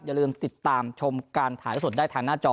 อย่าลืมติดตามชมการถ่ายสดได้ทางหน้าจอ